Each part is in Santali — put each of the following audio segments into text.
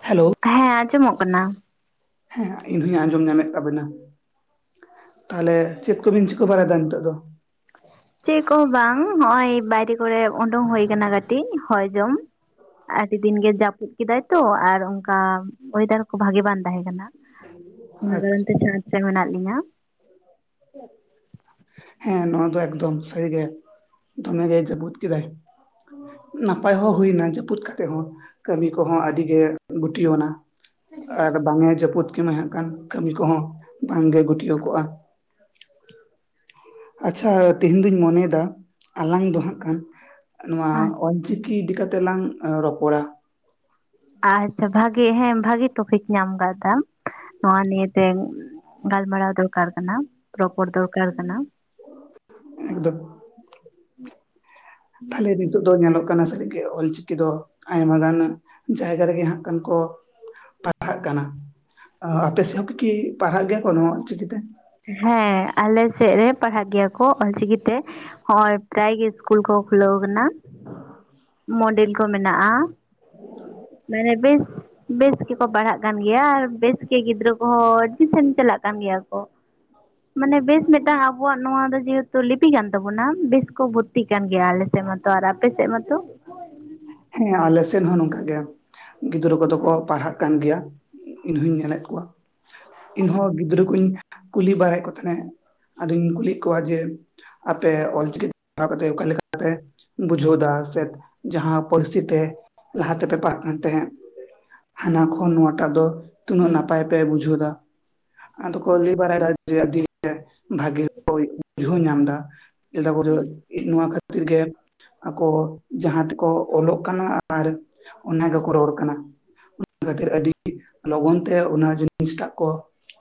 ᱦᱮᱞᱳ ᱦᱮᱸ ᱟᱸᱡᱚᱢᱚᱜ ᱠᱟᱱᱟ ᱦᱮᱸ ᱤᱧ ᱦᱚᱧ ᱟᱸᱡᱚᱢ ᱧᱟᱢᱮᱫ ᱛᱟᱵᱮᱱᱟ ᱛᱟᱦᱚᱞᱮ ᱪᱮᱫ ᱠᱚᱵᱤᱱ ᱪᱤᱠᱟᱹ ᱵᱟᱲᱟᱭᱮᱫᱟ ᱱᱤᱛᱚᱜ ᱫᱚ ᱪᱮᱫ ᱠᱚᱦᱚᱸ ᱵᱟᱝ ᱱᱚᱜᱼᱚᱭ ᱵᱟᱭᱨᱮ ᱠᱚᱨᱮ ᱩᱰᱩᱠ ᱦᱩᱭ ᱟᱠᱟᱱᱟ ᱠᱟᱹᱴᱤᱡ ᱦᱚᱭ ᱡᱚᱢ ᱟᱹᱰᱤ ᱫᱤᱱ ᱜᱮ ᱡᱟᱹᱯᱩᱫ ᱠᱮᱫᱟᱭ ᱛᱚ ᱟᱨ ᱚᱱᱠᱟ ᱚᱭᱮᱫᱟᱨ ᱠᱚ ᱵᱷᱟᱜᱤ ᱵᱟᱝ ᱛᱟᱦᱮᱸ ᱠᱟᱱᱟ [unintelligible] ᱤᱱᱟᱹ ᱠᱟᱨᱚᱱ ᱟᱪᱪᱷᱟ ᱛᱮ ᱪᱷᱟᱫᱽ ᱨᱮ ᱢᱮᱱᱟᱜ ᱞᱤᱧᱟ ᱦᱮᱸ ᱱᱚᱣᱟ ᱫᱚ ᱮᱠᱫᱚᱢ ᱥᱟᱹᱨᱤᱜᱮ ᱫᱚᱢᱮ ᱜᱮ ᱡᱟᱹᱯᱩᱫ ᱠᱮᱫᱟᱭ ᱱᱟᱯᱟᱭ ᱦᱚᱸ ᱦᱩᱭᱱᱟ ᱡᱟᱹᱯᱩᱫ ᱠᱟᱛᱮ ᱦᱚᱸ ᱠᱟᱹᱢᱤ ᱠᱚᱦᱚᱸ ᱟᱹᱰᱤ ᱜᱮ ᱜᱩᱴᱭᱟᱹᱣ ᱟᱮᱱᱟ ᱟᱨ ᱵᱟᱝᱮ ᱡᱟᱹᱯᱩᱫ ᱠᱮᱢᱟᱭ ᱦᱟᱸᱜ ᱠᱟᱱ ᱠᱟᱹᱢᱤ ᱠᱚᱦᱚᱸ ᱵᱟᱝᱜᱮ ᱜᱩᱴᱭᱟᱹᱣ ᱠᱚᱜᱼᱟ ᱟᱪᱪᱷᱟ ᱛᱮᱦᱮᱧ ᱫᱩᱧ ᱢᱚᱱᱮᱭᱮᱫᱟ ᱟᱞᱟᱝ ᱫᱚ ᱦᱟᱸᱜ ᱠᱷᱟᱱ ᱱᱚᱣᱟ ᱚᱞ ᱪᱤᱠᱤ ᱤᱫᱤ ᱠᱟᱛᱮᱜ ᱞᱟᱝ ᱨᱚᱯᱚᱲᱟ ᱟᱪᱪᱷᱟ ᱵᱷᱟᱜᱤ ᱦᱮᱸ ᱵᱷᱟᱜᱤ ᱴᱚᱯᱤᱠ ᱧᱟᱢ ᱟᱠᱟᱫᱟᱢ ᱱᱚᱣᱟ ᱱᱤᱭᱮ ᱛᱮ ᱜᱟᱞᱢᱟᱨᱟᱣ ᱫᱚᱨᱠᱟᱨ ᱠᱟᱱᱟ ᱨᱚᱯᱚᱲ ᱫᱚᱨᱠᱟᱨ ᱠᱟᱱᱟ [unintelligible] ᱛᱟᱦᱞᱮ [unintelligible] ᱱᱤᱛᱚᱜ ᱧᱮᱞᱚᱜ ᱠᱟᱱᱟ ᱥᱟᱹᱨᱤᱜᱮ ᱚᱞ ᱪᱤᱠᱤ ᱫᱚ ᱟᱭᱢᱟ ᱜᱟᱱ ᱡᱟᱭᱜᱟ ᱨᱮᱜᱮ ᱦᱟᱸᱜ ᱠᱷᱟᱱ ᱠᱚ ᱯᱟᱲᱦᱟᱜ ᱠᱟᱱᱟ ᱟᱯᱮ ᱥᱮᱫ ᱦᱚᱸᱠᱤ ᱯᱟᱲᱦᱟᱜ ᱜᱮᱭᱟ ᱠᱚ ᱱᱚᱣᱟ ᱚᱞ ᱪᱤᱠᱤ ᱛᱮ ᱦᱮᱸ ᱟᱞᱮ ᱥᱮᱫ ᱨᱮ ᱯᱟᱲᱦᱟᱜ ᱜᱮᱭᱟ ᱠᱚ ᱚᱞᱪᱤᱠᱤ ᱛᱮ ᱦᱚᱭ ᱯᱨᱟᱭ ᱜᱮ ᱤᱥᱠᱩᱞ ᱠᱚ ᱠᱷᱩᱞᱟᱹᱣ ᱠᱟᱱᱟ ᱢᱚᱰᱮᱞ ᱠᱚ ᱢᱮᱱᱟᱜᱼᱟ ᱢᱟᱱᱮ ᱵᱮᱥ ᱵᱮᱥ ᱜᱮᱠᱚ ᱯᱟᱲᱦᱟᱜ ᱠᱟᱱ ᱜᱮᱭᱟ ᱟᱨ ᱵᱮᱥ ᱜᱮ ᱜᱤᱫᱽᱨᱟᱹ ᱠᱚᱦᱚᱸ ᱟᱹᱰᱤ ᱥᱮᱱ ᱪᱟᱞᱟᱜ ᱠᱟᱱ ᱜᱮᱭᱟ ᱠᱚ ᱢᱟᱱᱮ ᱵᱮᱥ ᱢᱤᱫᱴᱟᱝ ᱟᱵᱚᱣᱟᱜ ᱱᱚᱣᱟ ᱫᱚ ᱡᱮᱦᱮᱛᱩ ᱞᱤᱯᱤ ᱠᱟᱱ ᱛᱟᱵᱚᱱᱟ ᱵᱮᱥ ᱠᱚ ᱵᱷᱚᱛᱛᱤᱜ ᱠᱟᱱ ᱜᱮᱭᱟ ᱟᱞᱮ ᱥᱮᱫ ᱢᱟᱛᱚ ᱟᱨ ᱟᱯᱮ ᱥᱮᱫ ᱢᱟᱛᱚ ᱦᱮᱸ ᱟᱞᱮ ᱥᱮᱱ ᱦᱚᱸ ᱱᱚᱝᱠᱟ ᱜᱮ ᱜᱤᱫᱽᱨᱟᱹ ᱠᱚᱫᱚ ᱠᱚ ᱯᱟᱲᱦᱟᱜ ᱠᱟᱱ ᱜᱮᱭᱟ ᱤᱧᱦᱩᱧ ᱧᱮᱞᱮᱫ ᱠᱚᱣᱟ ᱤᱧᱦᱚᱸ ᱜᱤᱫᱽᱨᱟᱹ ᱠᱩᱧ ᱠᱩᱞᱤ ᱵᱟᱲᱟᱭᱮᱫ ᱠᱚ ᱛᱟᱦᱮᱸᱱᱟ ᱟᱫᱚᱧ ᱠᱩᱞᱤᱭᱮᱫ ᱠᱚᱣᱟ ᱡᱮ ᱟᱯᱮ ᱚᱞ ᱪᱤᱠᱤ [unintelligible] ᱯᱟᱲᱦᱟᱣ ᱠᱟᱛᱮ ᱚᱠᱟᱮ ᱞᱮᱠᱟ ᱯᱮ ᱵᱩᱡᱷᱟᱹᱣ ᱫᱟ ᱥᱮ ᱡᱟᱦᱟᱸ ᱯᱟᱹᱨᱥᱤ ᱯᱛᱮ ᱞᱟᱦᱟ ᱛᱮᱯᱮ ᱯᱟᱲᱦᱟᱜ ᱠᱟᱱ ᱛᱟᱦᱮᱫ ᱦᱟᱱᱟ ᱠᱷᱚᱱ ᱱᱚᱣᱟᱴᱟᱜ ᱫᱚ ᱛᱤᱱᱟᱹᱜ ᱱᱟᱯᱟᱭ ᱯᱮ ᱵᱩᱡᱷᱟᱹᱣᱫᱟ ᱟᱫᱚ ᱠᱚ ᱞᱟᱹᱭ ᱵᱟᱲᱟᱭᱮᱫᱟ ᱡᱮ ᱟᱹᱰᱤ ᱵᱷᱟᱜᱮ ᱵᱩᱡᱷᱟᱹᱣ ᱧᱟᱢ ᱫᱟ [unintelligible] ᱵᱩᱨᱩ ᱱᱚᱣᱟ ᱠᱷᱟᱹᱛᱤᱨ ᱜᱮ ᱟᱠᱚ ᱡᱟᱦᱟᱸ ᱛᱮᱠᱚ ᱚᱞᱚᱜ ᱠᱟᱱᱟ ᱟᱨ ᱚᱱᱟ ᱜᱮᱠᱚ ᱨᱚᱲ ᱠᱟᱱᱟ ᱚᱱᱟ ᱠᱷᱟᱹᱛᱤᱨ ᱟᱹᱰᱤ ᱞᱚᱜᱚᱱ ᱛᱮ ᱚᱱᱟ ᱡᱤᱱᱤᱥ ᱴᱟᱜ ᱠᱚ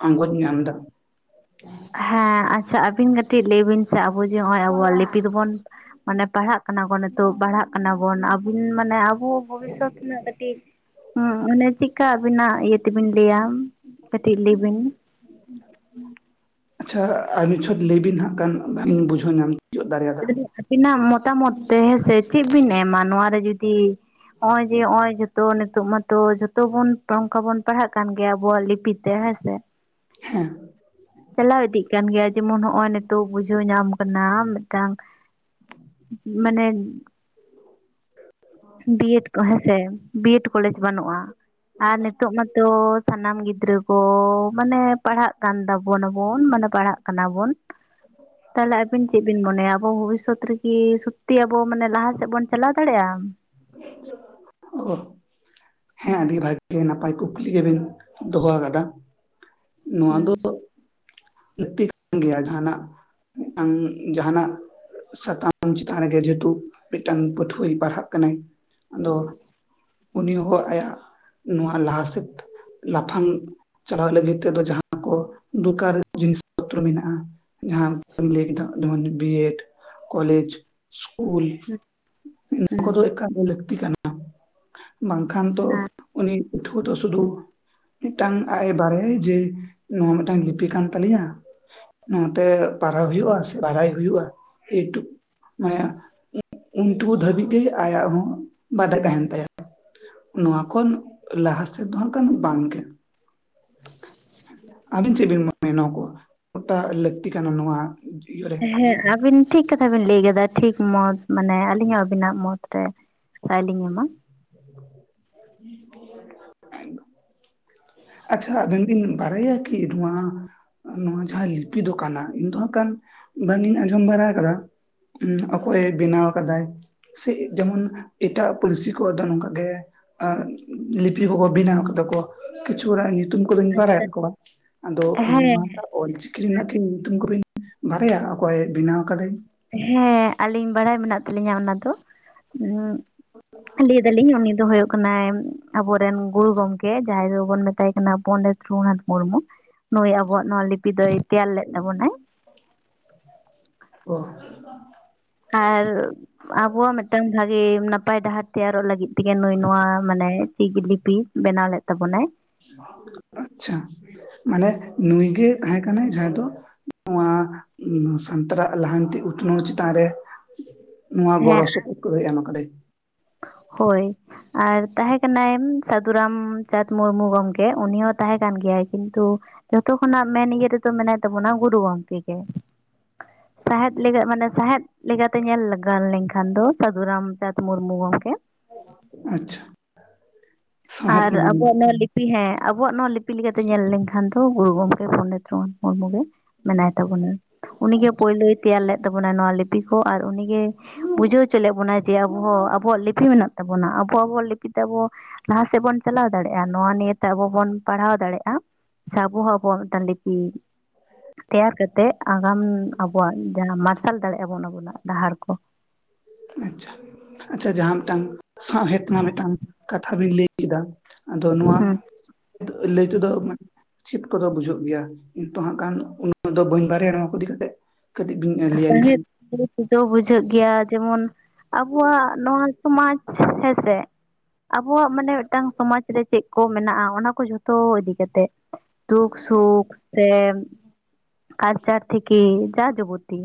ᱟᱸᱜᱚᱡ ᱧᱟᱢ ᱫᱟ ᱦᱮᱸ ᱟᱪᱪᱷᱟ ᱟᱹᱵᱤᱱ ᱠᱟᱹᱴᱤᱡ ᱞᱟᱹᱭ ᱵᱤᱱ ᱥᱮ ᱟᱵᱚ ᱡᱮ ᱱᱚᱜᱼᱚᱭ ᱟᱵᱚᱣᱟᱜ ᱞᱤᱯᱤ ᱫᱚᱵᱚᱱ ᱢᱟᱱᱮ ᱯᱟᱲᱦᱟᱜ ᱠᱟᱱᱟ ᱠᱚ ᱱᱤᱛᱚᱜ ᱯᱟᱲᱦᱟᱜ ᱠᱟᱱᱟ ᱵᱚᱱ ᱟᱵᱤᱱ ᱢᱟᱱᱮ ᱟᱵᱚ ᱵᱷᱚᱵᱤᱥᱥᱚᱛ ᱨᱮᱱᱟᱜ ᱠᱟᱹᱴᱤᱡ ᱚᱱᱮ ᱪᱮᱫᱠᱟ ᱟᱵᱤᱱᱟᱜ ᱤᱭᱟᱹ ᱛᱮᱵᱤᱱ ᱞᱟᱹᱭᱟ ᱠᱟᱴᱤᱡ ᱞᱟᱹᱭ ᱵᱤᱱ [inaudible] ᱟᱪᱪᱷᱟ ᱟᱨ ᱟᱵᱤᱱ ᱪᱷᱚᱴ ᱞᱟᱹᱭ ᱵᱤᱱ ᱦᱟᱸᱜ ᱠᱷᱟᱱ ᱵᱩᱡᱷᱟᱹᱣ ᱧᱟᱢ ᱛᱤᱭᱳᱜ ᱫᱟᱲᱮᱭᱟᱫᱟ ᱟᱵᱤᱱᱟᱜ ᱢᱚᱛᱟᱢᱚᱛ ᱛᱮ ᱦᱮᱸᱥᱮ ᱪᱮᱫ ᱵᱤᱱ ᱮᱢᱟ ᱱᱚᱣᱟ ᱨᱮ ᱡᱩᱫᱤ ᱱᱚᱸᱜᱼᱚᱭ ᱡᱮ ᱚᱹᱜᱼᱚᱭ ᱡᱚ ᱛᱚ ᱱᱤᱛᱚᱜ ᱢᱟᱛᱚ ᱡᱚᱛᱚ ᱵᱚᱱ ᱱᱚᱝᱠᱟ ᱵᱚᱱ ᱯᱟᱲᱦᱟᱜ ᱠᱟᱱ ᱜᱮᱭᱟ ᱟᱵᱚᱣᱟᱜ ᱞᱤᱯᱤ ᱛᱮ ᱦᱮᱸ ᱥᱮ ᱦᱮᱸ ᱪᱟᱞᱟᱣ ᱤᱫᱤᱜ ᱠᱟᱱ ᱜᱮᱭᱟ ᱡᱮᱢᱚᱱ ᱚᱸᱜᱼᱚᱭ ᱱᱤᱛᱚᱜ ᱵᱩᱡᱷᱟᱹᱣ ᱧᱟᱢ ᱠᱟᱱᱟ ᱢᱤᱫᱴᱟᱝ ᱢᱟᱱᱮ ᱵᱤᱭᱮᱰ ᱠᱚ ᱦᱮᱸᱥᱮ ᱵᱤᱭᱮᱰ ᱠᱚᱞᱮᱡᱽ ᱵᱟᱹᱱᱩᱜᱼᱟ ᱟᱨ ᱱᱤᱛᱚᱜ ᱢᱟᱛᱚ ᱥᱟᱱᱟᱢ ᱜᱤᱫᱽᱨᱟᱹ ᱠᱚ ᱢᱟᱱᱮ ᱯᱟᱲᱦᱟᱜ ᱠᱟᱱ ᱛᱟᱵᱚᱱᱟᱵᱚᱱ ᱢᱟᱱᱮ ᱯᱟᱲᱦᱟᱜ ᱠᱟᱱᱟ ᱵᱚᱱ ᱛᱟᱦᱞᱮ ᱟᱵᱤᱱ ᱪᱮᱫ ᱵᱤᱱ ᱢᱚᱱᱮᱭᱟ ᱟᱵᱚ ᱵᱷᱚᱵᱤᱥᱥᱚᱛ [unintelligible] ᱠᱤ ᱥᱩᱛᱛᱤ ᱟᱵᱚ ᱢᱟᱱᱮ ᱞᱟᱦᱟ ᱥᱮᱫ ᱵᱚᱱ ᱪᱟᱞᱟᱣ ᱫᱟᱲᱮᱭᱟᱜᱼᱟ [unintelligible] ᱦᱮᱸ ᱟᱹᱰᱤ ᱵᱷᱟᱜᱤ ᱱᱟᱯᱟᱭ ᱠᱩᱠᱞᱤ ᱜᱮᱵᱤᱱ ᱫᱚᱦᱚ ᱟᱠᱟᱫᱟ ᱱᱚᱣᱟ ᱫᱚ ᱦᱩᱸ ᱞᱟᱹᱠᱛᱤ ᱠᱟᱱ ᱜᱮᱭᱟ ᱡᱟᱸᱦᱟᱱᱟᱜ ᱢᱤᱫᱴᱟᱝ ᱡᱟᱸᱦᱟᱱᱟᱜ ᱥᱟᱛᱟᱢ ᱪᱮᱛᱟᱱ ᱨᱮᱜᱮ ᱡᱮᱦᱮᱛᱩ ᱢᱤᱫᱴᱟᱝ ᱯᱟᱹᱴᱷᱩᱣᱟᱹᱭ ᱯᱟᱲᱦᱟᱜ ᱠᱟᱱᱟᱭ ᱟᱫᱚ ᱩᱱᱤ ᱦᱚᱸ ᱟᱭᱟᱜ ᱱᱚᱣᱟ ᱞᱟᱦᱟ ᱥᱮᱫ ᱞᱟᱯᱷᱟᱝ ᱪᱟᱞᱟᱜ ᱞᱟᱹᱜᱤᱫ ᱛᱮᱫᱚ ᱡᱟᱦᱟᱸ ᱠᱚ ᱫᱚᱠᱟᱨ ᱡᱤᱱᱤᱥ ᱯᱚᱛᱨᱚ ᱢᱮᱱᱟᱜᱼᱟ ᱡᱟᱦᱟᱸ ᱠᱚᱢ ᱞᱟᱹᱭ ᱠᱮᱫᱟ ᱡᱮᱢᱚᱱ ᱵᱤᱭᱮᱰ ᱠᱚᱞᱮᱡᱽ ᱥᱠᱩᱞ ᱱᱚᱣᱟ ᱦᱩᱸ ᱠᱚᱫᱚ ᱮᱠᱟᱞ ᱜᱮ ᱞᱟᱹᱠᱛᱤ ᱠᱟᱱᱟ ᱵᱟᱝᱠᱷᱟᱱ ᱛᱚ ᱟᱨ ᱩᱱᱤ ᱯᱟᱹᱴᱷᱩᱣᱟᱹ ᱛᱚ ᱥᱩᱫᱩ ᱢᱤᱫᱴᱟᱝ ᱟᱜᱼᱮ ᱵᱟᱨᱮᱭᱟᱭ ᱡᱮ ᱱᱚᱣᱟ ᱢᱤᱫᱴᱟᱝ ᱞᱤᱯᱤ ᱠᱟᱱ ᱛᱟᱞᱤᱧᱟ ᱱᱚᱣᱟᱛᱮ ᱯᱟᱨᱦᱟᱣ ᱦᱩᱭᱩᱜᱼᱟ ᱥᱮ ᱵᱟᱨᱟᱭ ᱦᱩᱭᱩᱜᱼᱟ ᱮᱴᱩ ᱢᱟᱱᱮ ᱩᱱᱴᱩᱠᱩ ᱫᱷᱟᱹᱵᱤᱡ ᱜᱮ ᱟᱭᱟᱜ ᱦᱚᱸ ᱵᱟᱰᱟᱭ ᱛᱟᱸᱦᱮᱱ ᱛᱟᱭᱟ ᱱᱚᱣᱟ ᱠᱷᱚᱱ ᱞᱟᱦᱟ ᱥᱮᱫ ᱫᱚ ᱦᱟᱸᱜ ᱠᱷᱟᱱ ᱵᱟᱝ ᱜᱮ ᱟᱹᱵᱤᱱ ᱪᱮᱫ ᱵᱤᱱ ᱢᱚᱱᱮᱭᱟ ᱱᱚᱣᱟ ᱠᱚ ᱜᱚᱴᱟ ᱞᱟᱹᱠᱛᱤ ᱠᱟᱱᱟ ᱱᱚᱣᱟ ᱦᱮᱸ ᱟᱵᱤᱱ ᱴᱷᱤᱠ ᱠᱟᱛᱷᱟ ᱵᱤᱱ ᱞᱟᱹᱭ ᱠᱮᱫᱟ ᱴᱷᱤᱠ ᱢᱚᱛ ᱢᱟᱱᱮ ᱟᱹᱞᱤᱧᱟᱜ ᱦᱚᱸ ᱟᱹᱵᱤᱱᱟᱜ ᱢᱚᱛᱨᱮ ᱥᱟᱭᱞᱤᱧ ᱮᱢᱟ [unintelligible] ᱟᱪᱪᱷᱟ ᱟᱵᱤᱱ ᱵᱤᱱ ᱵᱟᱨᱟᱭᱟ ᱠᱤ ᱱᱚᱣᱟ ᱱᱚᱣᱟ ᱡᱟᱦᱟᱸ ᱞᱤᱯᱤ ᱫᱚᱠᱟᱱᱟ ᱤᱧ ᱫᱚ ᱦᱟᱸᱜ ᱠᱷᱟᱱ ᱵᱟᱝ ᱤᱧ ᱟᱸᱡᱚᱢ ᱵᱟᱨᱟ ᱟᱠᱟᱫᱟ ᱚᱠᱚᱭᱮ ᱵᱮᱱᱟᱣ ᱟᱠᱟᱫᱟᱭ ᱥᱮᱜ ᱡᱮᱢᱚᱱ ᱮᱴᱟᱜ ᱯᱟᱹᱨᱥᱤ ᱠᱚᱣᱟᱜ ᱫᱚ ᱱᱚᱝᱠᱟ ᱜᱮ ᱟᱜ ᱞᱤᱯᱤ ᱠᱚᱠᱚ ᱵᱮᱱᱟᱣ ᱠᱟᱫᱟ ᱠᱚ ᱠᱤᱪᱷᱩ ᱦᱚᱲᱟᱜ ᱧᱩᱛᱩᱢ ᱠᱚᱫᱚᱧ ᱵᱟᱲᱟᱭ ᱛᱟᱠᱚᱣᱟ ᱟᱫᱚ ᱱᱚᱣᱟ ᱦᱮᱸ ᱴᱟᱜ ᱚᱞᱪᱤᱠᱤ ᱨᱮᱱᱟᱜ ᱠᱤ ᱧᱩᱛᱩᱢ ᱠᱚᱵᱤᱱ ᱵᱟᱨᱟᱭᱟ ᱚᱠᱚᱭ ᱵᱮᱱᱟᱣ ᱟᱠᱟᱫᱟᱭ ᱦᱮᱸ ᱟᱹᱞᱤᱧ ᱵᱟᱲᱟᱭ ᱢᱮᱱᱟᱜ ᱛᱟᱹᱞᱤᱧᱟ ᱚᱱᱟ ᱫᱚ ᱩᱸ ᱞᱟᱹᱭ ᱫᱟ‌ ᱞᱤᱧ ᱩᱱᱤ ᱫᱚ ᱦᱩᱭᱩᱜ ᱠᱟᱱᱟᱭ ᱟᱵᱚ ᱨᱮᱱ ᱜᱩᱨᱩ ᱜᱚᱝᱠᱮ ᱡᱟᱦᱟᱸᱭ ᱫᱚᱵᱚᱱ ᱢᱮᱛᱟᱭ ᱠᱟᱱᱟ ᱯᱚᱱᱰᱤᱛ ᱨᱚᱜᱷᱩᱱᱟᱛᱷ ᱢᱩᱨᱢᱩ ᱱᱩᱭ ᱟᱵᱚᱣᱟᱜ ᱱᱚᱣᱟ ᱞᱤᱯᱤ ᱫᱚᱭ ᱛᱮᱭᱟᱨ ᱞᱮᱫ ᱛᱟᱵᱚᱱᱟᱭ ᱚ ᱟᱨ ᱟᱵᱚᱣᱟᱜ ᱢᱤᱫᱴᱟᱝ ᱵᱷᱟᱹᱜᱤ ᱱᱟᱯᱟᱭ ᱰᱟᱦᱟᱨ ᱛᱮᱭᱟᱨᱚᱜ ᱞᱟᱹᱜᱤᱫ ᱛᱮᱜᱮ ᱱᱩᱭ ᱱᱚᱣᱟ ᱢᱟᱱᱮ ᱪᱤᱠᱤ ᱞᱤᱯᱤ ᱵᱮᱱᱟᱣ ᱞᱮᱫ ᱛᱟᱵᱚᱱᱟᱭ ᱟᱪᱪᱷᱟ ᱢᱟᱱᱮ ᱱᱩᱭ ᱜᱮ ᱛᱟᱦᱮᱸ ᱠᱟᱱᱟᱭ ᱡᱟᱦᱟᱸᱭ ᱫᱚ ᱱᱚᱣᱟ ᱥᱟᱱᱛᱟᱲᱟᱜ ᱞᱟᱦᱟᱱᱛᱤ ᱩᱛᱱᱟᱹᱣ ᱪᱮᱛᱟᱱ ᱨᱮ ᱱᱚᱣᱟ ᱦᱮᱸ ᱜᱚᱨᱚᱥᱚᱯᱚᱦᱚᱫ ᱠᱚᱫᱚᱭ ᱮᱡ ᱟᱠᱟᱫᱟᱭ ᱦᱳᱭ ᱟᱨ ᱛᱟᱦᱮᱸ ᱠᱟᱱᱟᱭ ᱥᱟᱹᱫᱷᱩ ᱨᱟᱢᱪᱟᱸᱫᱽ ᱢᱩᱨᱢᱩ ᱜᱚᱢᱠᱮ ᱩᱱᱤ ᱦᱚᱸ ᱛᱟᱦᱮᱸ ᱠᱟᱱ ᱜᱮᱭᱟᱭ ᱠᱤᱱᱛᱩ ᱡᱷᱚᱛᱚ ᱠᱷᱚᱱᱟᱜ ᱢᱮᱱ ᱤᱭᱟᱹ ᱨᱮᱫᱚ ᱢᱮᱱᱟᱭ ᱛᱟᱵᱚᱱᱟ ᱜᱩᱨᱩ ᱜᱚᱢᱠᱮ ᱜᱮ ᱥᱟᱦᱮᱫ ᱞᱮᱜᱟᱹ ᱢᱟᱱᱮ ᱥᱟᱦᱮᱸᱫ ᱞᱮᱠᱟᱛᱮ ᱧᱮᱞ ᱜᱟᱱ ᱞᱮᱝᱠᱷᱟᱱ ᱫᱚ ᱥᱟᱹᱫᱷᱩ ᱨᱟᱢᱪᱟᱸᱫᱽ ᱢᱩᱨᱢᱩ ᱜᱚᱝᱠᱮ ᱟᱪᱪᱷᱟ, ᱥᱟᱶᱦᱮᱫ ᱟᱨ ᱢᱟᱹᱱ ᱟᱵᱚᱣᱟᱜ ᱚᱱᱟ ᱦᱮᱸ ᱟᱵᱚᱣᱟᱜ ᱱᱚᱣᱟ ᱞᱤᱯᱤ ᱞᱮᱠᱟ ᱛᱮ ᱧᱮᱞ ᱞᱮᱠᱷᱟᱱ ᱫᱚ ᱜᱩᱨᱩ ᱜᱚᱝᱠᱮ ᱯᱚᱱᱰᱤᱛ ᱨᱚᱜᱷᱩᱛᱷ ᱢᱩᱨᱢᱩ ᱜᱮᱼᱼ ᱢᱮᱱᱟᱭ ᱛᱟᱵᱚᱱᱟ ᱩᱱᱤ ᱜᱮ ᱯᱳᱭᱞᱳ ᱛᱮᱭᱟᱨ ᱞᱮᱫ ᱛᱟᱵᱚᱱᱟᱭ ᱱᱚᱣᱟ ᱞᱤᱯᱤ ᱠᱚ ᱟᱨ ᱩᱱᱤ ᱜᱮᱭᱼᱼ ᱵᱩᱡᱷᱟᱹᱣ ᱦᱚᱪᱚ ᱞᱮᱫ ᱵᱚᱱᱟ ᱡᱮ ᱟᱵᱚ ᱦᱚᱸ ᱟᱵᱚᱣᱟᱜ ᱞᱤᱯᱤ ᱢᱮᱱᱟᱜ ᱛᱟᱵᱚᱱᱟ ᱟᱵᱚ ᱟᱵᱚᱣᱟᱜ ᱞᱤᱯᱤ ᱛᱮ ᱟᱵᱚᱼᱼ ᱞᱟᱦᱟ ᱥᱮᱫ ᱵᱚᱱ ᱪᱟᱞᱟᱣ ᱫᱟᱲᱮᱭᱟᱜᱼᱟ ᱱᱚᱣᱟ ᱱᱤᱭᱟᱹ ᱛᱮ ᱟᱵᱚ ᱵᱚᱱ ᱯᱟᱲᱦᱟᱣ ᱫᱟᱲᱮᱭᱟᱜᱼᱟ᱾ ᱥᱮ ᱟᱵᱚ ᱦᱚᱸ ᱟᱵᱚᱣᱟᱜ ᱢᱤᱫᱴᱮᱱ ᱞᱤᱯᱤᱼᱼ ᱛᱮᱭᱟᱨ ᱠᱟᱛᱮ ᱟᱜᱟᱢ ᱟᱵᱚᱣᱟᱜ ᱡᱟᱦᱟᱸ ᱢᱟᱨᱥᱟᱞ ᱫᱟᱲᱮᱭᱟᱜ-ᱟ ᱵᱚᱱ ᱟᱵᱚᱱᱟᱜ ᱰᱟᱦᱟᱨ ᱠᱚ᱾ ᱟᱪᱪᱷᱟ ᱟᱪᱪᱷᱟ ᱡᱟᱦᱟᱸ ᱢᱤᱫᱴᱟᱝ ᱥᱟᱶᱦᱮᱫ ᱨᱮᱱᱟᱜ ᱢᱤᱫᱴᱟᱝ ᱠᱟᱛᱷᱟ ᱵᱤᱱ ᱞᱟᱹᱭ ᱠᱮᱫᱟ ᱟᱫᱚ ᱱᱚᱣᱟ ᱦᱩᱸ ᱞᱟᱹᱭ ᱛᱮ ᱫᱚ ᱢᱟᱼ ᱪᱤᱛ ᱠᱚᱫᱚ ᱵᱩᱡᱷᱟᱹᱜ ᱜᱮᱭᱟ, ᱤᱱᱛᱚ ᱦᱟᱸᱜ ᱠᱷᱟᱱ ᱩᱱᱟᱹᱜ ᱫᱚ ᱵᱟᱹᱧ ᱵᱟᱨᱟᱭᱟ, ᱱᱚᱶᱟ ᱠᱚ ᱤᱫᱤ ᱠᱟᱛᱮᱫ᱾ ᱥᱟᱦᱮᱫ ᱟᱹ [unintelligible] ᱵᱩᱡᱷᱟᱹᱜ ᱜᱮᱭᱟ, ᱡᱮᱢᱚᱱ ᱟᱵᱚᱣᱟᱜ ᱱᱚᱣᱟ ᱥᱚᱢᱟᱡᱽ ᱦᱮᱸᱥᱮ᱾ ᱟᱵᱚᱣᱟᱜ ᱢᱟᱱᱮ ᱢᱤᱫᱴᱟᱝ ᱥᱚᱢᱟᱡᱽ ᱨᱮ ᱪᱮᱫ ᱠᱚ ᱢᱮᱱᱟᱜ-ᱟ, ᱚᱱᱟ ᱠᱚ ᱡᱷᱚᱛᱚ ᱤᱫᱤ ᱠᱟᱛᱮᱜ᱾ ᱫᱩᱠ-ᱥᱩᱠ ᱥᱮ ᱠᱟᱞᱪᱟᱨ ᱛᱷᱮᱠᱮ ᱡᱟ ᱡᱟᱵᱚᱛᱤ᱾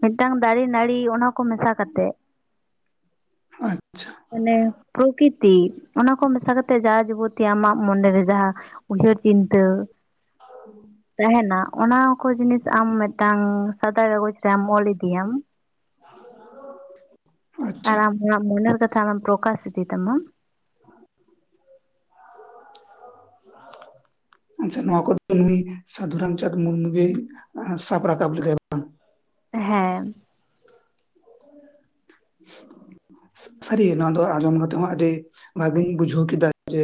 ᱢᱤᱫᱴᱟᱝ ᱫᱟᱨᱮ ᱱᱟᱹᱲᱤ, ᱚᱱᱟ ᱠᱚ ᱢᱮᱥᱟ ᱠᱟᱛᱮᱫ᱾ ᱟᱪᱪᱷᱟ ᱾ ᱢᱟᱱᱮ ᱯᱨᱚᱠᱤᱛᱤ, ᱚᱱᱟ ᱠᱚ ᱢᱮᱥᱟ ᱠᱟᱛᱮᱜ ᱡᱟ ᱡᱩᱵᱚᱛᱤ ᱟᱢᱟᱜ ᱢᱚᱱᱮᱨᱮ ᱡᱟᱦᱟᱸ ᱩᱭᱦᱟᱹᱨ ᱪᱤᱱᱛᱟᱹ᱾ ᱚ [unintelligible] ᱛᱟᱦᱮᱱᱟ᱾ ᱚᱱᱟ ᱠᱚ ᱡᱤᱱᱤᱥ ᱟᱢ ᱢᱤᱫᱴᱟᱝ ᱥᱟᱫᱟ ᱠᱟᱜᱚᱡᱽ ᱨᱮᱢ ᱚᱞ ᱤᱫᱤᱭ ᱟᱢ᱾ ᱦ [unintelligible] ᱟᱨ ᱢᱚᱱᱮᱨ ᱠᱟᱛᱷᱟ ᱟᱢᱮᱢ ᱯᱨᱳᱠᱟᱥ ᱤᱫᱤ ᱛᱟᱢᱟ᱾ [inaudible] ᱟᱪᱪᱷᱟ ᱱᱚᱣᱟ ᱠᱚᱫᱚ ᱱᱩᱭ ᱥᱟᱫᱷᱩᱨᱟᱢᱪᱟᱸᱫᱽ ᱢᱩᱨᱢᱩ ᱜᱮ ᱥᱟᱯ ᱨᱟᱠᱟᱵ ᱞᱮᱫᱟᱭ ᱵᱟᱝ? ᱦᱮᱸ᱾ [inaudible] ᱥᱟᱹᱨᱤ ᱱᱚᱣᱟ ᱫᱚ ᱟᱸᱡᱚᱢ ᱠᱟᱛᱮᱜ ᱦᱚᱸ ᱟᱹᱰᱤ ᱵᱷᱟᱜᱤᱧ ᱵᱩᱡᱷᱟᱹᱣ ᱠᱮᱫᱟ᱾ ᱡᱮ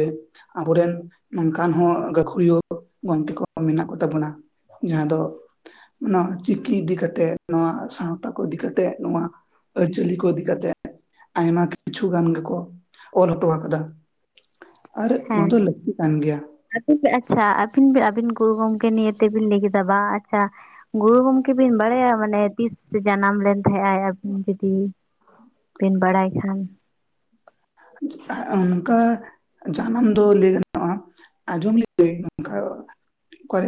ᱟᱵᱚᱨᱮᱱ ᱱᱚᱝᱠᱟᱱ ᱦᱚᱸ ᱜᱟᱹᱠᱷᱩᱲᱤᱭᱟᱹ ᱜᱚᱝᱠᱮ ᱠᱚ ᱢᱮᱱᱟᱜ ᱠᱚᱛᱟᱵᱚᱱᱟ᱾ ᱡᱟᱦᱟᱸ ᱫᱚ ᱱᱚᱣᱟ ᱪᱤᱠᱤ ᱤᱫᱤ ᱠᱟᱛᱮᱜ, ᱱᱚᱣᱟ ᱥᱟᱶᱛᱟ ᱠᱚ ᱤᱫᱤ ᱠᱟᱛᱮᱜ, ᱱᱚᱣᱟ ᱪᱟᱹᱞᱤ ᱠᱚ ᱤᱫᱤ ᱠᱟᱛᱮᱜ ᱟᱭᱢᱟ ᱠᱤᱪᱷᱩ ᱜᱟᱱ ᱜᱮᱠᱚ ᱚᱞ ᱦᱚᱴᱚ ᱟᱠᱟᱫᱟ᱾ ᱟᱨ ᱱᱚᱣᱟ ᱦᱮᱸ ᱫᱚ ᱞᱟᱹᱠᱛᱤ ᱠᱟᱱ ᱜᱮᱭᱟ᱾ ᱟᱹᱵᱤᱱ ᱟᱪᱪᱷᱟ ᱟᱹᱵᱤᱱ ᱟᱹᱵᱤᱱ ᱜᱩᱨᱩ ᱜᱚᱢᱠᱮ ᱱᱤᱭᱟᱹ ᱛᱮᱵᱤᱱ ᱞᱟᱹᱭ ᱠᱮᱫᱟ ᱵᱟᱝ ᱟᱪᱪᱷᱟ ᱜᱩᱨᱩ ᱜᱚᱢᱠᱮ ᱵᱤᱱ ᱵᱟᱲᱟᱭᱟ ᱢᱟᱱᱮ ᱛᱤᱥ ᱡᱟᱱᱟᱢ ᱞᱮᱱ ᱛᱟᱦᱮᱸᱜ ᱟᱭ? ᱡᱩᱫᱤ ᱵᱮᱱ ᱵᱟᱲᱟᱭ ᱠᱷᱟᱱ? ᱚᱱᱠᱟ ᱡᱟᱱᱟᱢ ᱫᱚ ᱞᱟᱹᱭ ᱜᱟᱱᱚᱜ-ᱟ ᱟᱡᱚᱢ ᱞᱤᱫᱟᱹᱧ ᱱᱚᱝᱠᱟ ᱠᱚᱨᱮ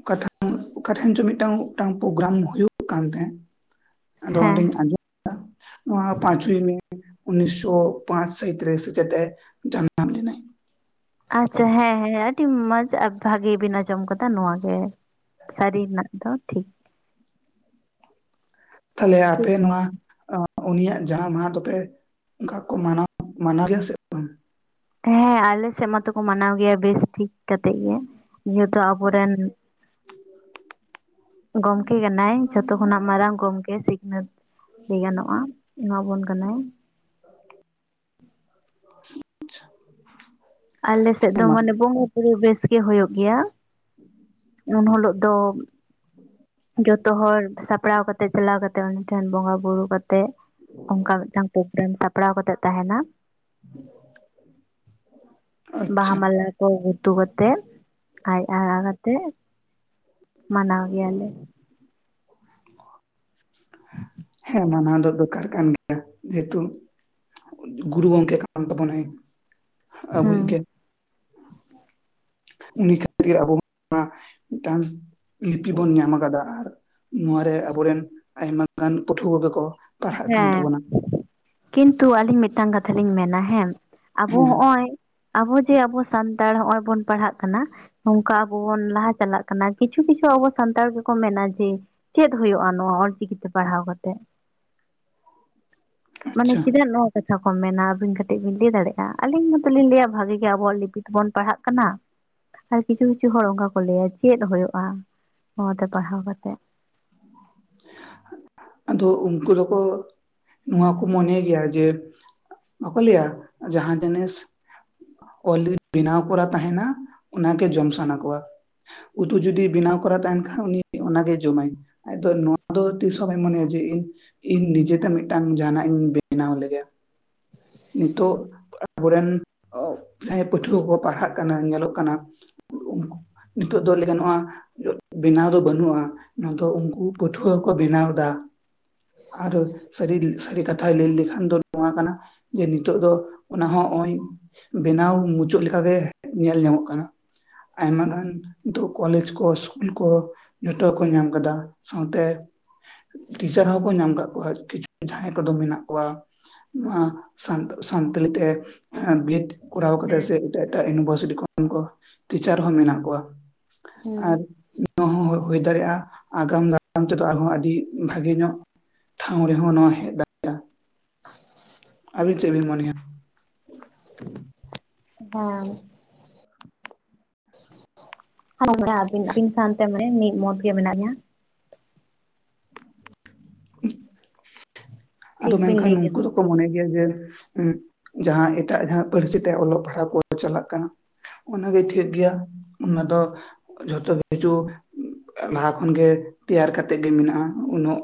ᱚᱠᱟ ᱚᱠᱟᱴᱷᱮᱱ ᱪᱚ ᱢᱤᱫᱴᱟᱝ ᱢᱤᱫᱴᱟᱝ ᱯᱨᱳᱜᱨᱟᱢ ᱦᱩᱭᱩᱜ ᱠᱟᱱ ᱛᱟᱦᱮᱸᱫ, ᱟᱫᱚ ᱦᱮᱸ ᱚᱰᱮᱧ ᱟᱸᱡᱚᱢ ᱮᱫᱟ ᱱᱚᱣᱟ ᱯᱟᱸᱪᱚᱭ ᱢᱮ ᱩᱱᱤᱥᱥᱚ ᱯᱟᱸᱪ ᱥᱟᱭᱤᱛ ᱨᱮ ᱥᱮᱪᱮᱛ ᱡᱟᱱᱟᱢ ᱞᱮᱱᱟ᱾ ᱟᱪᱪᱷᱟ ᱦᱮᱸ ᱦᱮᱸ ᱟᱹᱰᱤ ᱢᱚᱸᱡᱽ ᱵᱷᱟᱜᱤ ᱵᱤᱱ ᱟᱸᱡᱚᱢ ᱠᱟᱫᱟ ᱱᱚᱣᱟᱜ ᱜᱮ᱾ ᱥᱟᱹᱨᱤ ᱱᱟᱜ ᱫᱚ ᱴᱷᱤᱠ ᱛᱟᱦᱚᱞᱮ ᱟᱯᱮ ᱴᱷᱤᱠ ᱱᱚᱣᱟ ᱩᱱᱤᱭᱟᱜ ᱡᱟᱱᱟᱢ ᱢᱟᱦᱟ ᱫᱚᱯᱮ ᱚᱱᱠᱟ ᱠᱚ ᱢᱟᱱᱟᱣ ᱢᱟᱱᱟᱣ ᱜᱮᱭᱟ ᱥᱮ ᱵᱟᱝ? ᱦᱮᱸ ᱟᱞᱮᱥᱮᱫ ᱢᱟᱛᱚᱠᱚ ᱢᱟᱱᱟᱣ ᱜᱮᱭᱟ ᱵᱮᱥ ᱴᱷᱤᱠ ᱠᱟᱛᱮᱜ ᱜᱮ᱾ ᱡᱮᱦᱮᱛᱩ ᱟᱵᱚᱨᱮᱱ ᱦ [unintelligible] ᱜᱚᱢᱠᱮ ᱠᱟᱱᱟᱭ, ᱡᱷᱚᱛᱚ ᱠᱷᱚᱱᱟᱜ ᱢᱟᱨᱟᱝ ᱜᱚᱢᱠᱮ ᱥᱤᱠᱷᱱᱟᱹᱛ ᱞᱟᱹᱭ ᱜᱟᱱᱚᱜᱼᱟ ᱮᱢᱟᱵᱚᱱ ᱠᱟᱱᱟᱭ᱾ ᱦ [inaudible] [inaudible] ᱟᱞᱮ ᱥᱮᱫ ᱫᱚ ᱵᱟᱝ ᱢᱟᱱᱮ ᱵᱚᱸᱜᱟ ᱵᱩᱨᱩ ᱵᱮᱥ ᱜᱮ ᱦᱩᱭᱩᱜ ᱜᱮᱭᱟ᱾ ᱦᱮᱸ ᱩᱱ ᱦᱤᱞᱳᱜ ᱫᱚ ᱡᱚᱛᱚ ᱦᱚᱲ ᱥᱟ ᱥᱟᱯᱲᱟᱣ ᱠᱟᱛᱮ ᱪᱟᱞᱟᱣ ᱠᱟᱛᱮ ᱩᱱᱤ ᱴᱷᱮᱱ ᱵᱚᱸᱜᱟ ᱵᱩᱨᱩ ᱠᱟᱛᱮᱫ ᱚᱱᱠᱟᱱ ᱢᱤᱫᱴᱟᱝ ᱯᱨᱳᱜᱨᱟᱢ ᱥᱟᱯᱲᱟᱣ ᱠᱟᱛᱮᱜ ᱛᱟᱦᱮᱸᱱᱟ᱾ [inaudible] ᱵᱟᱦᱟ ᱢᱟᱞᱟ ᱠᱚ ᱜᱩᱛᱩ ᱠᱟᱛᱮᱜ ᱟᱡ ᱦᱟ ᱠᱟᱛᱮᱫ ᱢᱟᱱᱟᱣ ᱜᱮᱭᱟᱞᱮ᱾ ᱦᱮᱸ ᱢᱟᱱᱟᱣ ᱫᱚ ᱫᱚᱨᱠᱟᱨ ᱠᱟᱱ ᱜᱮᱭᱟ᱾ ᱡᱮᱦᱮᱛᱩ ᱜᱩᱨᱩ ᱜᱚᱢᱠᱮ ᱠᱟᱱ ᱛᱟᱵᱚᱱᱟᱭ ᱟᱵᱚᱭᱤᱡ ᱦᱮᱸ ᱜᱮ᱾ ᱩᱱᱤ ᱠᱷᱟᱹᱛᱤᱨ ᱜᱮ ᱟᱵᱚ ᱱᱚᱣᱟ ᱢᱤᱫᱴᱟᱱ ᱞᱤᱯᱤ ᱵᱚᱱ ᱧᱟᱢ ᱟᱠᱟᱫᱟ ᱟᱨ ᱱᱚᱣᱟᱨᱮ ᱟᱵᱚᱨᱮᱱ ᱟᱭᱢᱟ ᱜᱟᱱ ᱯᱟᱹᱴᱷᱩᱣᱟᱹ ᱠᱚᱠᱚ ᱦᱮᱸ ᱠᱤᱱᱛᱩ ᱟᱹᱞᱤᱧ ᱢᱤᱫᱴᱟᱝ ᱠᱟᱛᱷᱟ ᱞᱤᱧ ᱢᱮᱱᱟ ᱦᱮᱸ ᱟᱵᱚ ᱦᱮᱸ ᱦᱚᱜᱼᱚᱭ ᱟᱵᱚ ᱡᱮ ᱟᱵᱚ ᱥᱟᱱᱛᱟᱲ ᱦᱚᱸᱜᱼᱚᱭ ᱵᱚᱱ ᱯᱟᱲᱦᱟᱜ ᱠᱟᱱᱟ᱾ ᱱᱚᱝᱠᱟ ᱟᱵᱚ ᱵᱚᱱ ᱞᱟᱦᱟ ᱪᱟᱞᱟᱜ ᱠᱟᱱᱟ ᱠᱤᱪᱷᱩ ᱠᱤᱪᱷᱩ ᱟᱵᱚ ᱥᱟᱱᱛᱟᱲ ᱜᱮᱠᱚ ᱢᱮᱱᱟ ᱡᱮ ᱪᱮᱫ ᱦᱩᱭᱩᱜᱼᱟ ᱱᱚᱣᱟ ᱚᱞᱪᱤᱠᱤ ᱛᱮ ᱯᱟᱲᱦᱟᱣ ᱠᱟᱛᱮᱜ ᱢᱟᱱᱮ ᱟᱪᱪᱷᱟ ᱪᱮᱫᱟᱜ ᱠᱟᱛᱷᱟ ᱠᱚ ᱢᱮᱱᱟ ᱟᱹᱵᱤᱱ ᱠᱟᱹᱴᱤᱡ ᱵᱤᱱ ᱞᱟᱹᱭ ᱫᱟᱲᱮᱭᱟᱜᱼᱟ ᱟᱹᱞᱤᱧ ᱢᱚᱛᱚᱞᱤᱧ ᱞᱟᱹᱭᱟ ᱵᱷᱟᱜᱤ ᱜᱮ ᱟᱵᱚᱣᱟᱜ ᱞᱤᱯᱤ ᱛᱮᱵᱚᱱ ᱯᱟᱲᱦᱟᱜ ᱠᱟᱱᱟ᱾ ᱟᱨ ᱠᱤᱪᱷᱩ ᱠᱤᱪᱷᱩ ᱦᱚᱲ ᱚᱱᱠᱟ ᱠᱚ ᱞᱟᱹᱭᱟ ᱪᱮᱫ ᱦᱳᱭᱳᱜᱼᱟ ᱱᱚᱣᱟᱛᱮ ᱯᱟᱲᱦᱟᱣ ᱠᱟᱛᱮᱫ᱿ ᱟᱫᱚ ᱩᱱᱠᱩ ᱫᱚᱠᱚ ᱱᱚᱣᱟ ᱠᱚ ᱢᱚᱱᱮ ᱜᱮᱭᱟ ᱡᱮ ᱵᱟᱠᱚ ᱞᱟᱹᱭᱟ ᱡᱟᱦᱟᱸ ᱡᱤᱱᱤᱥ᱾ ᱚᱞ ᱨᱮᱰᱤ ᱵᱮᱱᱟᱣ ᱠᱚᱨᱟ ᱛᱟᱦᱮᱱᱟ ᱚᱱᱟᱜᱮ ᱡᱚᱢ ᱥᱟᱱᱟ ᱠᱚᱣᱟ᱿ ᱩᱛᱩ ᱡᱩᱫᱤ ᱵᱮᱱᱟᱣ ᱠᱚᱨᱟ ᱛᱟᱦᱮᱱ ᱠᱷᱟᱱ ᱩᱱᱤ ᱚᱱᱟᱜᱮ ᱡᱚᱢᱟᱭ ᱟᱫᱚ ᱟᱫᱚ ᱛᱤᱥ ᱦᱚᱸ ᱵᱟᱭ ᱢᱚᱱᱮᱭᱟ ᱡᱮ ᱤᱧ ᱤᱧ ᱱᱤᱡᱮᱛᱮ ᱢᱤᱫᱴᱟᱝ ᱡᱟᱦᱟᱱᱟᱜ ᱤᱧ ᱵᱮᱱᱟᱣ ᱞᱮᱜᱮ᱾ ᱱᱤᱛᱚᱜ ᱟᱵᱚᱨᱮᱱ ᱡᱟᱦᱟᱸᱭ ᱯᱟᱹᱴᱷᱩᱣᱟᱹ ᱠᱚᱠᱚ ᱯᱟᱲᱦᱟᱜ ᱠᱟᱱᱟ ᱧᱮᱞᱚᱜ ᱠᱟᱱᱟ᱿ [unintelligible] ᱱᱤᱛᱚᱜ ᱫᱚ ᱞᱟᱹᱭ ᱜᱟᱱᱚᱜᱼᱟ ᱵᱮᱱᱟᱣ ᱫᱚ ᱵᱟᱹᱱᱩᱜᱼᱟ ᱚᱱᱟᱫᱚ ᱩᱱᱠᱩ ᱯᱟᱹᱴᱷᱩᱣᱟᱹ ᱠᱚ ᱵᱮᱱᱟᱣ ᱮᱫᱟ᱾ ᱟᱨ ᱥᱟᱹᱨᱤ ᱥᱟᱹᱨᱤ ᱠᱟᱛᱷᱟᱭ ᱞᱟᱹᱭ ᱞᱮᱠᱷᱟᱱ ᱫᱚ ᱱᱚᱣᱟ ᱠᱟᱱᱟ᱿ ᱡᱮ ᱱᱤᱛᱚᱜ ᱫᱚ ᱚᱱᱟ ᱦᱚᱸ ᱱᱚᱜ ᱚᱭ ᱵᱮᱱᱟᱣ ᱢᱩᱪᱟᱹᱫᱠᱟᱜᱮ ᱧᱮᱞ ᱧᱟᱢᱚᱜ ᱠᱟᱱᱟ᱿ ᱟᱭᱢᱟ ᱜᱟᱱ ᱱᱤᱛᱚᱜ ᱠᱚᱞᱮᱡᱽ ᱠᱚ ᱤᱥᱠᱩᱞ ᱠᱚ ᱡᱚᱛᱚ ᱠᱚ ᱧᱟᱢ ᱠᱟᱫᱟ ᱥᱟᱶᱛᱮ ᱴᱤᱪᱟᱨ ᱦᱚᱸᱠᱚ ᱧᱟᱢ ᱠᱟᱫ ᱠᱚᱣᱟ ᱠᱤᱪᱷᱩ ᱡᱟᱦᱟᱸᱟᱸᱭ ᱠᱚᱫᱚ ᱢᱮᱱᱟᱜ ᱠᱚᱣᱟ᱾ ᱥᱟᱱ ᱥᱟᱱᱛᱟᱞᱤ ᱛᱮ ᱵᱤ ᱮᱰ ᱠᱚᱨᱟᱣ ᱠᱟᱛᱮ ᱦᱮᱸ ᱥᱮ ᱮᱴ ᱮᱴᱟᱜ ᱤᱭᱩᱱᱤᱵᱷᱟᱨᱥᱤᱴᱤ ᱠᱷᱚᱱ ᱠᱚ ᱴᱤᱪᱟᱨ ᱦᱚᱸ ᱢᱮᱱᱟᱜ ᱠᱚᱣᱟ ᱟᱨ ᱦᱩᱭ ᱫᱟᱲᱮᱭᱟᱜᱼᱟ ᱟᱜᱟᱢ ᱫᱟᱨᱟᱢ ᱛᱮᱫᱚ ᱟᱨᱦᱚᱸ ᱟᱹᱰᱤ ᱵᱷᱟᱜᱮ ᱧᱚᱜ ᱴᱷᱟᱶ ᱨᱮᱦᱚᱸ ᱱᱚᱣᱟ ᱦᱮᱡ ᱟᱵᱤᱱ ᱪᱮᱫ ᱢᱚᱱᱮᱣᱟ ᱦᱮᱸ [inaudible] ᱦᱮ ᱟᱵᱤᱱ ᱥᱟᱶᱛᱮ ᱢᱟᱱᱮ ᱢᱤᱫ ᱢᱚᱛ ᱜᱮ ᱢᱮᱱᱟᱜ ᱞᱤᱧᱟ᱿ [unintelligible] ᱟᱫᱚ ᱴᱷᱤᱠ ᱵᱤᱱ ᱢᱮᱱᱠᱷᱟᱱ ᱞᱟᱹᱭ ᱠᱮᱫᱟ ᱱᱩᱠᱩ ᱫᱚ ᱠᱚ ᱢᱚᱱᱮ ᱜᱮᱭᱟ ᱡᱮᱸ ᱡᱟᱦᱟᱸ ᱮᱴᱟᱜ ᱡᱟᱦᱟᱸ ᱯᱟᱹᱨᱥᱤ ᱛᱮ ᱚᱞᱚᱜ ᱯᱟᱲᱦᱟᱜ ᱠᱚ ᱪᱟᱞᱟᱜ ᱠᱟᱱᱟ ᱚᱱᱟᱜᱮ ᱴᱷᱤᱠ ᱜᱮᱭᱟ ᱚᱱᱟ ᱫᱚ ᱡᱷᱚᱛᱚ ᱠᱤᱪᱷᱩ ᱞᱟᱦᱟ ᱠᱷᱚᱱᱜᱮ ᱛᱮᱭᱟᱨ ᱠᱟᱛᱮᱜ ᱜᱮ ᱢᱮᱱᱟᱜᱼᱟ ᱩᱱᱟᱹᱜ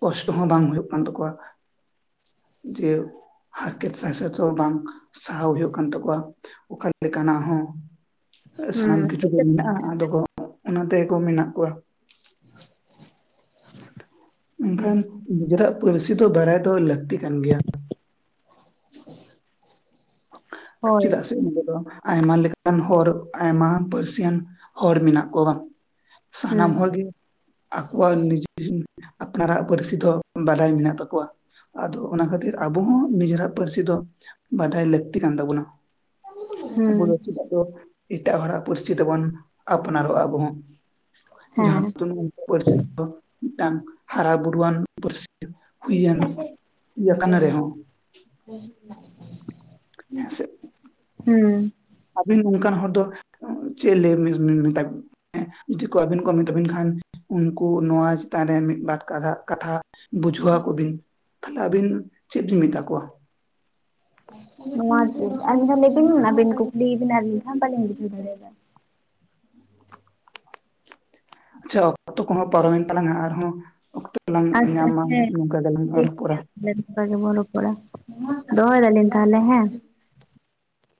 ᱠᱚᱥᱴᱚ ᱦᱚᱸ ᱵᱟᱝ ᱦᱩᱭᱩᱜ ᱠᱟᱱ ᱛᱟᱠᱚᱣᱟ ᱡᱮ ᱦᱟᱨᱠᱮᱛ ᱥᱟᱭᱥᱮᱛ ᱦᱚ ᱵᱟᱝ ᱥᱟᱦᱟᱣ ᱦᱩᱭᱩᱜ ᱠᱟᱱ ᱛᱟᱠᱚᱣᱟ ᱚᱠᱟ ᱞᱮᱠᱟᱱᱟᱜ ᱦᱚᱸ ᱦᱮᱸ ᱥᱟᱱᱟᱢ ᱠᱤᱪᱷᱩ ᱜᱮ ᱴᱷᱤᱠ ᱢᱮᱱᱟᱜᱼᱟ ᱟᱫᱚ ᱠᱚ ᱚᱱᱟ ᱛᱮᱜᱮ ᱠᱚ ᱢᱮᱱᱟᱜ ᱠᱚᱣᱟ᱾ ᱦᱮᱸ ᱢᱮᱱᱠᱷᱟᱱ ᱱᱤᱡᱮᱨᱟᱜ ᱯᱟᱹᱨᱥᱤ ᱫᱚ ᱵᱟᱲᱟᱭ ᱫᱚ ᱞᱟᱹᱠᱛᱤ ᱠᱟᱱ ᱜᱮᱭᱟ᱾ ᱦᱳᱭ ᱪᱮᱫᱟᱜ ᱥᱮ ᱩᱱᱠᱩ ᱫᱚ ᱟᱭᱢᱟ ᱞᱮᱠᱟ ᱟᱱ ᱦᱚᱲ ᱟᱭᱢᱟ ᱯᱟᱹᱨᱥᱤᱭᱟᱱ ᱦᱚᱲ ᱢᱮᱱᱟᱜ ᱠᱚᱣᱟ ᱦᱮᱸ ᱥᱟᱱᱟᱢ ᱦᱚᱲ ᱜᱮ ᱟᱠᱚᱣᱟᱜ ᱱᱤᱡᱮ ᱟᱯᱱᱟᱨᱟᱜ ᱯᱟᱹᱨᱥᱤ ᱫᱚ ᱵᱟᱰᱟᱭ ᱢᱮᱱᱟᱜ ᱛᱟᱠᱚᱣᱟ ᱟᱫᱚ ᱚᱱᱟ ᱠᱷᱟᱹᱛᱤᱨ ᱟᱵᱚ ᱦᱚᱸ ᱱᱤᱡᱮᱨᱟᱜ ᱯᱟᱹᱨᱥᱤ ᱫᱚ ᱵᱟᱰᱟᱭ ᱞᱟᱹᱠᱛᱤ ᱠᱟᱱ ᱛᱟᱵᱚᱱᱟ ᱦᱮᱸ ᱟᱵᱚ ᱫᱚ ᱪᱮᱫᱟᱜ ᱫᱚ ᱮᱴᱟᱜ ᱦᱚᱲᱟᱜ ᱯᱟᱹᱨᱥᱤ ᱛᱮᱵᱚᱱ ᱟᱯᱱᱟᱨᱚᱜᱼᱟ ᱟᱵᱚ ᱦᱚᱸ ᱡᱟᱦᱟᱸ ᱦᱮᱸ ᱩᱱᱠᱩ ᱯᱟᱨᱥᱤ ᱫᱚ ᱢᱤᱫᱴᱟᱝ ᱦᱟᱨᱟᱼᱵᱩᱨᱩᱣᱟᱱ ᱯᱟᱹᱨᱥᱤ ᱦᱩᱭᱮᱱ ᱤᱭᱟᱹ ᱠᱟᱱᱟ ᱨᱮ ᱦᱚᱸ [unintelligible] ᱦᱮᱸ ᱥᱮ ᱦᱩᱸ ᱟᱵᱤᱱ ᱱᱚᱝᱠᱟᱱ ᱦᱚᱲ ᱫᱚ ᱪᱮᱫ ᱞᱟᱹᱭ ᱢᱮᱛᱟ ᱵᱤᱱ ᱡᱩᱫᱤ ᱠᱚ ᱟᱹᱵᱤᱱ ᱠᱚ ᱢᱮᱛᱟᱹᱵᱤᱱ ᱠᱷᱟᱱ ᱩᱱᱠᱩ ᱱᱚᱣᱟ ᱪᱮᱛᱟᱱ ᱨᱮ ᱢᱤᱫ ᱵᱟᱨ ᱠᱟᱷᱟ ᱠᱟᱛᱷᱟ ᱵᱩᱡᱷᱟᱹᱣᱟᱠᱚᱵᱤᱱ ᱛᱟᱦᱚᱞᱮ ᱟᱹᱵᱤᱱ ᱪᱮᱫ ᱵᱤᱱ ᱢᱮᱛᱟ ᱠᱚᱣᱟ ᱱᱚᱣᱟ ᱵᱤᱱ ᱞᱮᱵᱤᱱ ᱟᱵᱤᱱ ᱠᱩᱠᱞᱤᱭ ᱵᱤᱱᱟ ᱟᱹᱞᱤᱧ ᱦᱚᱸ ᱵᱟᱞᱤᱧ ᱵᱩᱡᱷᱟᱹᱣ ᱫᱟᱲᱮᱭᱟᱜᱫᱟ ᱟᱪᱪᱷᱟ ᱚᱠᱛᱚ ᱠᱚᱦᱚᱸ ᱯᱚᱨᱚᱢᱮᱱ ᱛᱟᱞᱟᱝᱼᱟ ᱟᱨᱦᱚᱸ ᱚᱠᱛᱚ ᱞᱟᱝ ᱧᱟᱢᱟ ᱱᱚᱝᱠᱟ ᱜᱮᱞᱟᱝ ᱨᱚᱯᱚᱲᱟ ᱛᱟᱦᱚᱞᱮ ᱱᱚᱝᱠᱟ ᱜᱮᱵᱚᱱ ᱨᱚᱯᱚᱲᱟ ᱫᱚᱦᱚᱭ ᱫᱟᱞᱤᱧ ᱛᱟᱦᱚᱞᱮ ᱦᱮᱸ